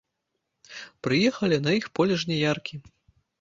Прыехалі на іх поле жняяркі.